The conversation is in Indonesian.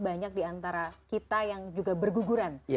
banyak diantara kita yang juga berguguran